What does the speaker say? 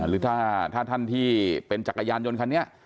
หรือถ้าท่านที่เป็นจักรยานยนต์คันนี้